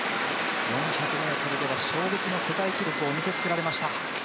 ４００ｍでは衝撃の世界記録を見せつけられました。